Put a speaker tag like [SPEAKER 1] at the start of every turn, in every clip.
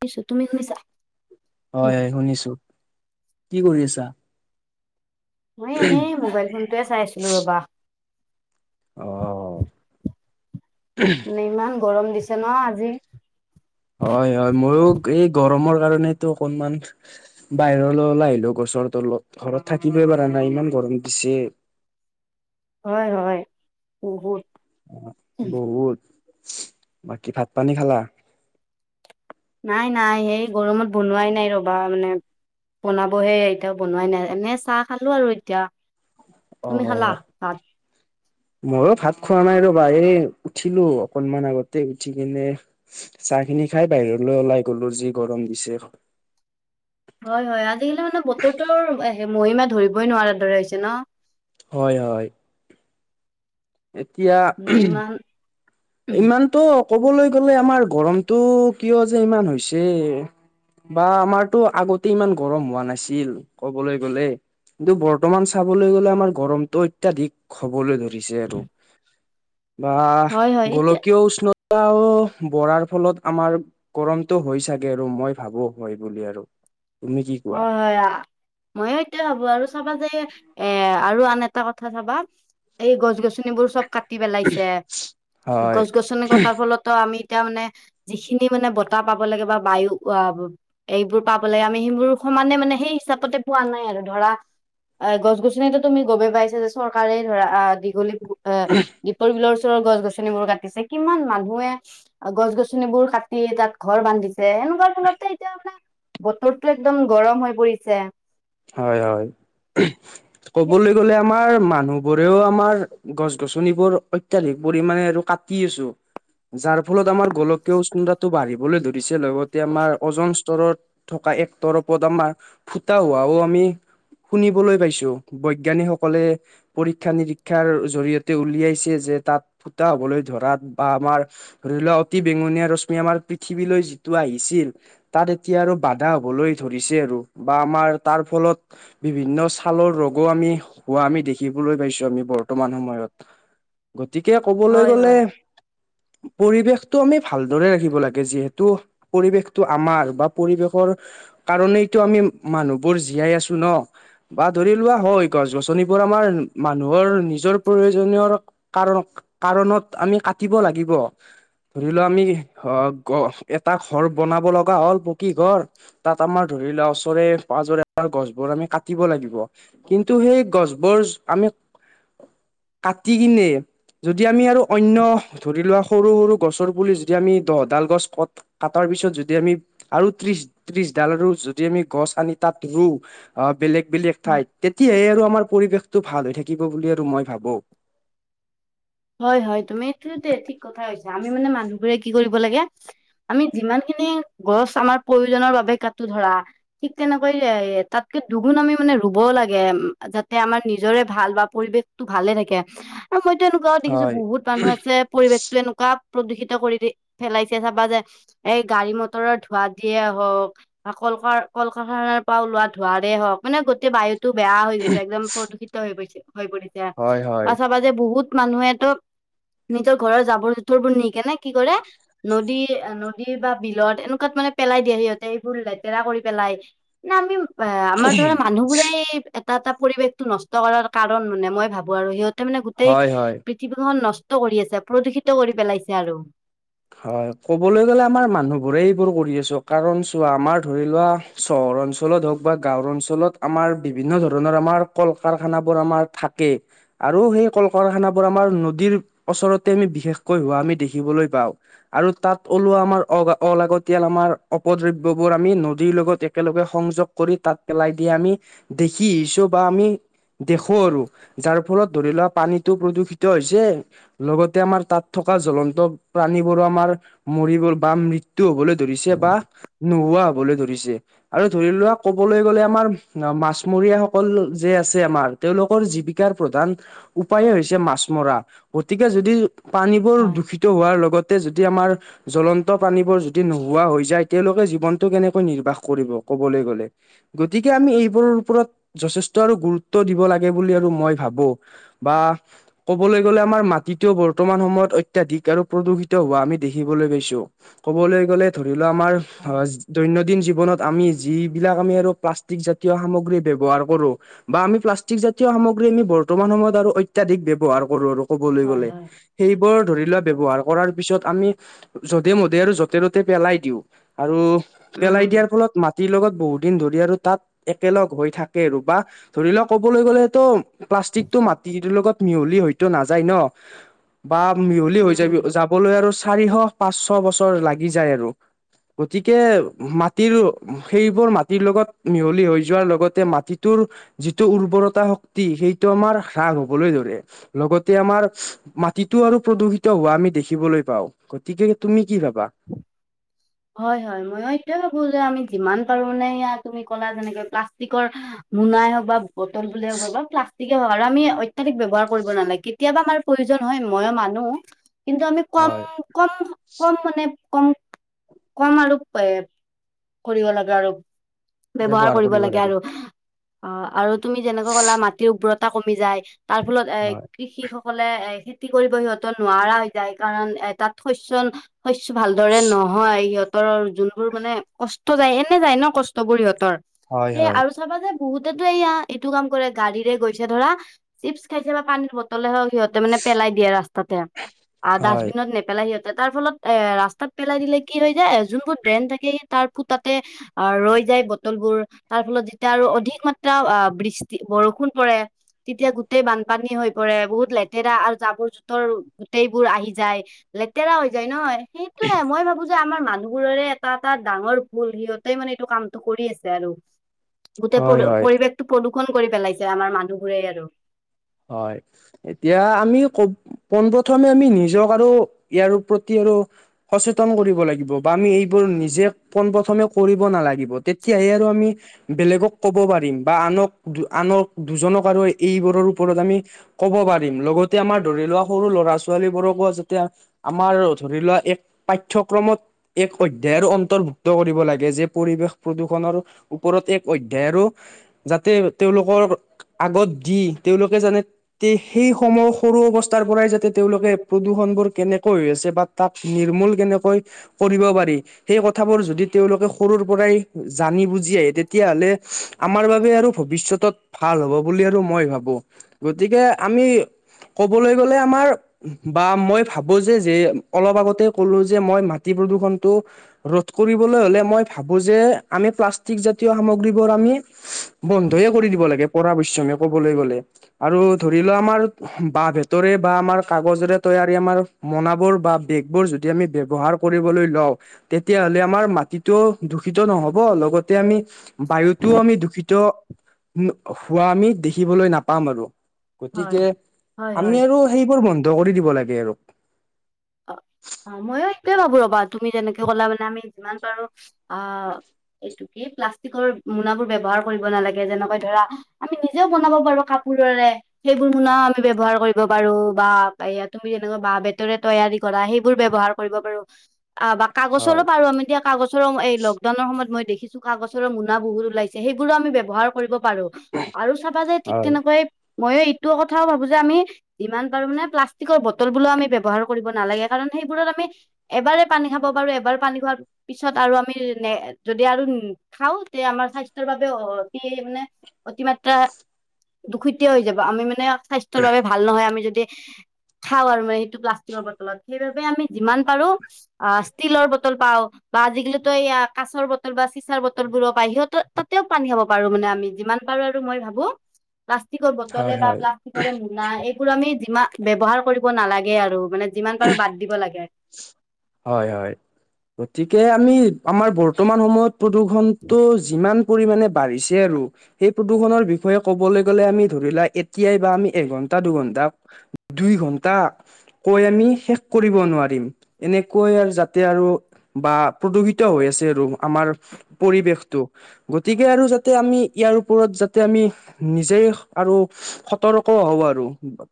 [SPEAKER 1] শুনিছোঁ, তুমি শুনিছা?
[SPEAKER 2] হয়', - হয়', শুনিছোঁ, কি কৰি আছা?
[SPEAKER 1] মই এনেই মোবাইল ফোনটোৱে চাই আছিলোঁ ৰবা',
[SPEAKER 2] অহ', উম',
[SPEAKER 1] মানে ইমান গৰম দিছে ন আজি?
[SPEAKER 2] হয়', - হয়', মইয়ো এই গৰমৰ কাৰণেতো অকনমান', বাহিৰলৈ ওলাই আহিলোঁ গছৰ তলত, ঘৰত থাকিবই পাৰা নাই ইমান গৰম দিছে',
[SPEAKER 1] হয়', - হয়', বহুত',
[SPEAKER 2] অ', বহুত, বাকী ভাত পানী খালা?
[SPEAKER 1] নাই', - নাই', সেই গৰমত বনোৱাই নাই ৰবা মানে', বনাবহে এতিয়া বনোৱাই নাই, এনে চাহ খালোঁ আৰু এতিয়া', তুমি খালা
[SPEAKER 2] অহ', -অহ',
[SPEAKER 1] ভাত?
[SPEAKER 2] ময়ো ভাত খোৱা নাই ৰবা, এই উঠিলোঁ অকনমান আগতে উঠি কিনে', চাহ খিনি খাই বাহিৰলৈ ওলাই গলোঁ, যি গৰম দিছে',
[SPEAKER 1] হয়', - হয়', আজিকালি মানে বতৰটোৰ মহিমা ধৰিবই নোৱাৰাৰ দৰে হৈছে ন',
[SPEAKER 2] হয়', - হয়', এতিয়া,
[SPEAKER 1] মানে
[SPEAKER 2] উম',
[SPEAKER 1] ইমান
[SPEAKER 2] ইমানতো ক'বলৈ গ'লে, আমাৰ গৰমতটো কিয় যে ইমান হৈছে? বা আমাৰতো আগতে ইমান গৰম হোৱা নাছিল, ক'বলৈ গ'লে', কিন্তু বৰ্তমান চাবলৈ গ'লে আমাৰ গৰমতটো অত্যাধিক হ'বলৈ ধৰি', দিছে আৰু বাহহহহ',
[SPEAKER 1] হয় হয় এতিয়া
[SPEAKER 2] কিয় উষ্ণতাও বঢ়াৰ ফলত আমাৰ', গৰমটো হৈ চাগে আৰু মই ভাবোঁ, হয় বুলি আৰু', তুমি কি কোৱা?
[SPEAKER 1] হয়', - হয়', আ', ময় সেইটোয়ে ভাবোঁ আৰু চাবা যে, এ আৰু আন এটা কথা চাবা এই গছ গছ', গছনিবোৰ চব কাটি পেলাইছে,
[SPEAKER 2] হয়,
[SPEAKER 1] গছ গছনি কটাৰ ফলতো আমি এতিয়া মানে', যিখিনি মানে বতাহ পাব লাগে বা বায়ু অ', এইবোৰ পাব লাগে আমি সেইবোৰ', সমানে মানে সেই হিচাপতে পোৱা নাই আৰু ধৰা', অ', গছ গছনিতো তুমি গমে পাইছা যে চৰকাৰে ধৰা আহ', দীঘলী পুখুৰী', অ', দীপৰ বিলৰ ওচৰৰ গছ গছনিবোৰ কাট', কাটিছে, কিমান মানুহে গছ গছনিবোৰ কাটি তাত ঘৰ বান্ধিছে', মে', এনেকুৱা ফলতে এতিয়া মানে বতৰটো একদম গৰম হৈ পৰিছে',
[SPEAKER 2] হয়', - হয়', - উম', ক'বলৈ গ'লে আমাৰ মানুহ বোৰেও আমাৰ গছ গছনিবোৰ', অত্যাধিক পৰিমাণে আৰু কাটি আছোঁ, যাৰ ফলত আমাৰ গোলকীয় উষ্ণতাটো বাঢ়িবলৈ ধৰি', পিছে লগতে আমাৰ অজন স্তৰত থকা এক তৰপত আমাৰ ফুটা হোৱা আকৌ আমি শুনিবলৈ পাইছো বৈজ্ঞানিকসকলে পৰীক্ষা নিৰীক্ষাৰ জৰিয়তে উলিয়াইছে যে তাত ফুটা হ'বলৈ ধৰাত বা আমাৰ', ধৰি লোৱা অতি বেঙুনীয়া ৰশ্মি আমাৰ পৃথিৱীলৈ যিটো আহিছিল', তাত এতিয়া আৰু বাধা হবলৈ ধৰিছে আৰু বা আমাৰ তাৰ ফলত বিভিন্ন ছালৰ ৰোগো আমি হোৱা আমি দেখিবলৈ পাইছো আমি বৰ্তমান সময়ত গতিকে
[SPEAKER 1] হয়
[SPEAKER 2] ক'বলৈ
[SPEAKER 1] হয়
[SPEAKER 2] গ'লে পৰিৱেশটো আমি ভালদৰে ৰাখিব লাগে যিহেতু পৰিৱেশটো আমাৰ বা পৰিৱেশৰ কাৰনেইটো আমি মানুহ বোৰ জীয়াই আছো ন বা ধৰি লোৱা হয় গছ গছনিবোৰ আমাৰ মানুহৰ নিজৰ প্ৰয়োজনীয় কাৰণ-কাৰণত আমি কাটিব লাগিব। ধৰি লোৱা আমি অ, এটা ঘৰ বনাব লগা হ'ল পকী ঘৰ তাত আমাৰ ধৰি লোৱা ওচৰে পাজৰে আমাৰ গছবোৰ আমি কাটিব লাগিব। কিন্তু সেই গছ বোৰ আমি কাটি কিনে যদি আমি আৰু অন্য ধৰি লোৱা সৰু-সৰু গছৰ পুলি যদি আমি দহডাল গছ কত কাটাৰ পিছত যদি আমি আৰু ত্ৰিশ - ত্ৰিশ ডাল আৰু যদি আমি গছ আনি তাত ৰোও অ, বেলেগ - বেলেগ
[SPEAKER 1] হয়
[SPEAKER 2] ঠাইত তেতিয়াহে আৰু আমাৰ পৰিৱেশ টো ভাল হৈ থাকিব বুলি আৰু মই ভাবো।
[SPEAKER 1] হয়-হয় তুমি ঠিক কথাই কৈছা আমি মানে মানুহবোৰে কি কৰিব লাগে আমি যিমান খিনি গছ আমাৰ প্ৰয়োজনৰ বাবে কাটো ধৰা ঠিক তেনেকৈ যায় তাতকে দুগুণ আমিও মানে ৰুবও লাগে যাতে আমাৰ নিজৰে ভাল বা পৰিৱেশ ভালে থাকে আৰু মইতো এনেকোৱাও দেখিছো
[SPEAKER 2] হয়
[SPEAKER 1] বহুত মানুহ আছে পৰিৱেশতো এনেকোৱা প্ৰদূষিত কৰি দি পেলাইছে চাবা যে এই গাড়ী মটৰৰ ধোঁৱা দিয়ে হওক বা কল কাৰ কল কাৰাখানাৰ পৰা ওলোৱা ধোঁৱাৰে হওক মানে গোটেই বায়ুত টো বেয়া হৈ গৈছে একদম প্ৰদূষিত হৈ গৈছে হৈ পৰিছে
[SPEAKER 2] হয়
[SPEAKER 1] বা
[SPEAKER 2] হয়
[SPEAKER 1] চাবা যে বহুত মানুহে ত নিজৰ ঘৰৰ জাবৰ জোথৰবোৰ নি কেনে কি কৰে নদী-নদী বা বিলত এনেকোৱাত মানে পেলাই দিয়ে সিহঁতে এইবোৰ লেতেৰা কৰি পেলাই। নামিম। অ, আমাৰ ধৰা মানুহবোৰেই এটা-এটা পৰিৱেশটো নষ্ট কৰাৰ কাৰণ মানে মই ভাবো আৰু সিহঁত ত মানে গোটেই
[SPEAKER 2] হয় হয়
[SPEAKER 1] পৃথিৱীখন নষ্ট কৰি আছে প্ৰদূষিত কৰি পেলাইছে আৰু।
[SPEAKER 2] হয় কবলৈ গ'লে আমাৰ মানুহবোৰে এইবোৰ কৰি আছো কাৰণ চোৱা আমাৰ ধৰি লোৱা চহৰ অঞ্চলত হওক বা গাঁওৰ অঞ্চলত আমাৰ বিভিন্ন ধৰণৰ আমাৰ কল কাৰখানাবোৰ আমাৰ থাকে। আৰু সেই কল কাৰখানাবোৰ আমাৰ নদীৰ ওচৰতে আমি বিশেষকৈ হোৱা আমি দেখিবলৈ পাও। আৰু তাত ওলোৱা আমাৰ অ, অলাগতিয়াল আমাৰ অপদ্ৰব্য বোৰ আমি নদীৰ লগতে একেলগে সংযোগ কৰি তাত পেলাই দিয়া আমি দেখি আহিছো বা আমি দেখো আৰু যাৰ ফলত ধৰি লোৱা পানীতো প্ৰদূষিত হৈছে। লগতে আমাৰ তাত থকা জ্বলন্ত প্ৰাণীবোৰ আমাৰ মৰি গল বা মৃত্যু হবলৈ ধৰিছে বা নোহোৱা হবলৈ ধৰিছে। আৰু ধৰি লোৱা ক'বলৈ গ'লে আমাৰ মাছমৰীয়া সকল যে আছে আমাৰ তেওঁলোকৰ জীৱিকাৰ প্ৰধান উপায়ে হৈছে মাছ মৰা গতিকে যদি পানীবোৰ
[SPEAKER 1] হয়
[SPEAKER 2] দূষিত হোৱাৰ লগতে যদি আমাৰ জ্বলন্ত পানীবোৰ যদি নোহোৱা হৈ যায় তেওলোকে জীৱনটো কেনেকৈ নিৰ্বাহ কৰিব কবলৈ গ'লে। গতিকে আমি এইবোৰৰ ওপৰত যথেষ্ট আৰু গুৰুত্ব দিব লাগে বুলি আৰু মই ভাবো। বা ক'বলৈ গ'লে আমাৰ মাটিটোও বৰ্তমান সময়ত অত্যাধিক আৰু প্ৰদূষিত হোৱা আমি দেখিবলৈ পাইছো ক'বলৈ গ'লে ধৰি লোৱা আমাৰ
[SPEAKER 1] হয়
[SPEAKER 2] অ দৈনন্দিন জীৱনত আমি যিবিলাক আমি আৰু প্লাষ্টিক জাতীয় সামগ্ৰী ব্যৱহাৰ কৰো বা আমি প্লাষ্টিক জাতীয় সামগ্ৰীখিনি আমি বৰ্তমান সময়ত আৰু অত্যাধিক ব্যৱহাৰ কৰো আৰু ক'বলৈ
[SPEAKER 1] হয়
[SPEAKER 2] গ'লে
[SPEAKER 1] হয়
[SPEAKER 2] সেইবোৰ ধৰি লোৱা ব্যৱহাৰ কৰাৰ পিছত আমি যধে - মধে আৰু যতে- ত'তে পেলাই দিওঁ আৰু
[SPEAKER 1] উম
[SPEAKER 2] পেলাই দিয়াৰ ফলত মাটিৰ লগত বহুত দিন ধৰি আৰু তাত একেলগ হৈ থাকে আৰু বা ধৰি লওক ক'বলৈ গ'লে ত প্লাষ্টিকটো মাটিৰ লগত মিহলি হয়তো নাযায় ন? বা মিহলি হৈ
[SPEAKER 1] উম
[SPEAKER 2] যায় বি যাবলৈ আৰু চাৰিশ - পাচশ বছৰ লাগি যায় আৰু। গতিকে মাটিৰ সেইবোৰ মাটিৰ লগত মিহলি হৈ যোৱাৰ লগতে মাটিটোৰ যিটো উৰ্বৰতা শক্তি সেইটো আমাৰ হ্ৰাস হবলৈ ধৰে। লগতে আমাৰ ওচ মাটিতো আৰু প্ৰদূষিত হোৱা আমি দেখিবলৈ পাও, গতিকে তুমি কি ভাবা?
[SPEAKER 1] হয়-হয় ময় এইটোয়ে ভাবো যে আমি যিমান পাৰো নে তুমি ক'লা যেনেকে প্লাষ্টিকৰ মোনাই হওক বা বটল বুলে হওক বা প্লাষ্টিকে হওঁক আৰু আমি অত্যাধিক ব্যৱহাৰ কৰিব নালাগে কি তিয়াবা আমাৰ প্ৰয়োজন হয় মইও মানো। কিন্তু আমি কম
[SPEAKER 2] হয়
[SPEAKER 1] কম কম মানে কম কম আৰু এ কৰিব লাগে আৰু ব্যৱহাৰ কৰিব লাগে আৰু। অ আৰু তুমি যেনেকৈ কলা মাটিৰ উৰ্বৰতা কমি যায় তাৰ ফলত এ
[SPEAKER 2] হয়
[SPEAKER 1] কৃষি সকলে এ খেতি কৰিব সিহত নোৱাৰা হৈ যায় কাৰণ এ তাত শস্যন শস্য ভালদৰে নহয়। সিহঁতৰ যোনবোৰ মানে কষ্ট যায় এনে যায় ন কষ্টবোৰ সিহতৰ
[SPEAKER 2] হয়
[SPEAKER 1] সেই
[SPEAKER 2] হয়
[SPEAKER 1] আৰু চাবা যে বহুতেতো এয়া এইটো কাম কৰে গাড়ীৰে গৈছে ধৰা চিপছ খাইছে বা পানীৰ বটলে হওক সিহত তে মানে পেলাই দিয়ে ৰাস্তাতে, আ
[SPEAKER 2] হয়
[SPEAKER 1] ডাষ্টবিনত নেপেলাই সিহঁতে তাৰ ফলত এ ৰাস্তাত পেলাই দিলে কি হৈ যায় যোনবোৰ ড্ৰেন থাকে তাৰ ফুতাতে আহ ৰৈ যায় বটলবোৰ তাৰ ফলত যেতিয়া আৰু অধিক মাত্ৰা আ বৃষ্টি বৰষুণ পৰে। তেতিয়া গোটেই বানপানী হৈ পৰে, বহুত লেতেৰা আৰু জাবৰ - জোথৰ গোটেইবোৰ আহি যায়। লেতেৰা হৈ যায় নহয়, সেইটোয়ে মই ভাবো তে আমাৰ মানুহবোৰৰে এটা এটা ডাঙৰ ভুল সিহঁতে মানে এইটো কামটো কৰি আছে আৰু। গোটেই
[SPEAKER 2] হয়
[SPEAKER 1] প্ৰদু
[SPEAKER 2] হয়
[SPEAKER 1] পৰিৱেশটো প্ৰদূ্ষণ কৰি পেলাইছে আমাৰ মানুহবোৰে আৰু।
[SPEAKER 2] হয়। এতিয়া আমি ক পোন প্ৰথমে আমি নিজক আৰু ইয়াৰ প্ৰতি আৰু সচেতন কৰিব লাগিব বা আমি এইবোৰ নিজে পোন প্ৰথমে কৰিব নালাগিব তেতিয়াহে আৰু আমি বেলেগক ক'ব পাৰিম বা আনক দু আনক দুজনক আৰু এইবোৰৰ ওপৰত আমি ক'ব পাৰিম লগতে আমাৰ ধৰি লোৱা সৰু ল'ৰা - ছোৱালীবোৰকো যাতে আমাৰ ধৰি লোৱা এক পাঠ্যক্ৰমত এক অধ্যায়ৰ অন্তৰ্ভুক্ত কৰিব লাগে যে পৰিৱেশ প্ৰদূষণৰ ওপৰত এক অধ্যায় আৰু যাতে তেওঁলোকৰ আগত দি তেওঁলোকে জানে তে সেই সময় সৰু অৱস্থাৰ পৰাই যাতে তেওঁলোকে প্ৰদূষণবোৰ কেনেকৈ হৈ আছে বা তাক নিৰ্মূল কেনেকৈ কৰিব পাৰি? সেই কথাবোৰ যদি তেওঁলোকে সৰুৰ পৰাই জানি বুজি আহে তেতিয়াহ'লে চু আমাৰ বাবে আৰু ভৱিষ্যতত ভাল হ'ব বুলি আৰু মই ভাবো গতিকে আমি ক'বলৈ গ'লে আমাৰ বা মই ভাবো যে যে অলপ আগতে কলো যে মই মাটি প্ৰদূষণটো ৰোধ কৰিবলৈ হলে মই ভাবো যে আমি প্লাষ্টিক জাতীয় সামগ্ৰীবোৰ আমি চু বন্ধয়ে কৰি দিব লাগে পৰা পশমে ক'বলৈ গ'লে আৰু ধৰি লোৱা আমাৰ বা বেতৰে বা আমাৰ কাগজৰে তৈয়াৰী আমাৰ মনাবোৰ বা বেগবোৰ যদি আমি ব্যৱহাৰ কৰিবলৈ লওঁ তেতিয়াহলে আমাৰ মাটিটো দূষিত নহব লগতে আমি বায়ুতো আমি দূষিত হোম হোৱা আমি দেখিবলৈ নাপাম আৰু।
[SPEAKER 1] হয়,
[SPEAKER 2] গতিকে
[SPEAKER 1] হয়,
[SPEAKER 2] আমি
[SPEAKER 1] হয়।
[SPEAKER 2] আৰু সেইবোৰ বন্ধ কৰি দিব লাগে আৰু।
[SPEAKER 1] অ, অ ময়ো সেইটোৱে ভাবো ৰবা তুমি যেনেকে ক'লা মানে আমি যিমান পাৰোঁ অহ এইটো কি প্লাষ্টিকৰ মোনাবোৰ ব্যৱহাৰ কৰিব নালাগে যেনেকৈ ধৰা আমি নিজেও বনাব পাৰোঁ কাপোৰৰে সেইবোৰ মোনা আমি ব্যৱহাৰ কৰিব পাৰো বা এয়া তুমি যেনেকুৱা বাঁহ - বেতৰে তৈয়াৰী কৰা সেইবোৰ ব্যৱহাৰ কৰিব পাৰো আ বা
[SPEAKER 2] হয়,
[SPEAKER 1] কাগজলৈ পাৰো আমি এতিয়া কাগজৰো এই লকডাউনৰ সময়ত মই দেখিছোঁ কাগজৰ মোনা বহুত ওলাইছে সেইবোৰো আমি ব্যৱহাৰ কৰিব পাৰোঁ আৰু চাবা যে ঠিক
[SPEAKER 2] হয়।
[SPEAKER 1] তেনেকুৱাই ময়ো এইটো কথাও ভাবো যে আমি যিমান পাৰো মানে প্লাষ্টিকৰ বটল বলো আমি ব্যৱহাৰ কৰিব নালাগে কাৰণ সেইবোৰত আমি এবাৰে পানী খাব পাৰো এবাৰ পানী খোৱাৰ পিছত আৰু আমি ন যদি আৰু খাওঁ তে আমাৰ স্বাস্থ্যৰ বাবে অতি মানে- অতিমাত্ৰা দুষিতেয়ে হৈ যাব আমি মানে- স্বাস্থ্যৰ বাবে ভাল নহয় আমি যদি খাওঁ আৰু মানে সেইটো প্লাষ্ট- টিলৰ বটলত সেইবাবে আমি যিমান পাৰোঁ আ ষ্টিলৰ বটল পাওঁ। বা আজিকালিটো এয়া কাছৰ বটল বা চিচাৰ বটল বোৰো পায় সিহঁতেও তাতেও পানী খাব পাৰোঁ মানে আমি যিমান এবাৰো আৰু মই ভাবোঁ প্লাষ্টিকৰ
[SPEAKER 2] হয়,
[SPEAKER 1] বটলে বা
[SPEAKER 2] হয়,
[SPEAKER 1] প্লাষ্টিকৰে মোনা এইবোৰ আমি যিমান ব্যৱহাৰ কৰিব নালাগে আৰু। মানে যিমান পাৰোঁ বাদ দিব লাগে।
[SPEAKER 2] হয় হয়, গতিকে আমি আমাৰ বৰ্তমান সময়ত প্ৰদূষণটো যিমান পৰিমাণে বাঢ়িছে আৰু সেই প্ৰদূষণৰ বিষয়ে ক'বলে গ'লে আমি ধৰি লোৱা এতিয়াই বা আমি এঘন্টা দুঘন্টা দুই ঘন্টা কৈ আমি শেষ কৰিব নোৱাৰ- ৰিম। এনেকৈ আৰু যাতে আৰু বা প্ৰদূষিত হৈ আছে আৰু আমাৰ। পৰিৱেশটো গতিকে আৰু যাতে আমি ইয়াৰ ওপৰত যাতে আমি নিজেই আৰু সতৰ্কও হওঁ আৰু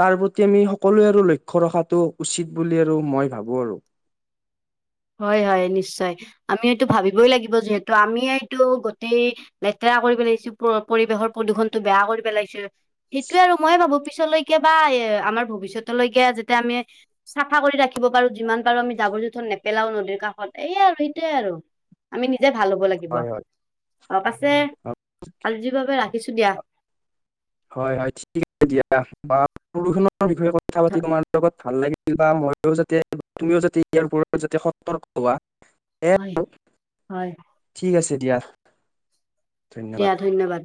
[SPEAKER 2] তাৰ প্ৰতি আমি সকলোৱে আৰু লক্ষ্য ৰখাটো উচিত বুলি আৰু মই ভাবো আৰু।
[SPEAKER 1] হয় হয় নিশ্চয় আমি এইটো ভাবিবই লাগিব যিহেতু আমিয়েইটো গোটেই লেতেৰা কৰি পেলাইছো প পৰিৱেশৰ প্ৰদূষণটো বেয়া কৰি পেলাইছো সেইটোৱে আৰু মই ভাবো পিছলৈ কেবা এ আমাৰ ভৱিষ্যতলৈকে যেতিয়া আমি চাফা কৰি ৰাখিব পাৰোঁ যিমান পাৰোঁ আমি জাবৰ জোথৰ নেপ- নেপেলাও নদীৰ কাষত এইয়ে আৰু এইটোৱে আৰু আমি নিজে ভাল হ'ব লাগিব।
[SPEAKER 2] হয় হয়
[SPEAKER 1] অ পাছে আলজি বাবে ৰাখিছোঁ দিয়া।
[SPEAKER 2] হয় হয় ঠিক আছে দিয়া। প্ৰদূষণৰ বিষয়ে কথা পাতি
[SPEAKER 1] ধ-
[SPEAKER 2] তোমাৰ লগত ভাল লাগিল। বা ময়ো যাতে তুমিও যাতে ইয়াৰ পৰা যাতে সত তৰ্ক হোৱা। সেয়াই
[SPEAKER 1] হয়
[SPEAKER 2] আৰু
[SPEAKER 1] হয়
[SPEAKER 2] ঠিক আছে দিয়া। ধন্যবাদ
[SPEAKER 1] দিয়া ধন্যবাদ।